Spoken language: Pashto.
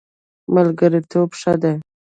ملګرتوب ښه دی.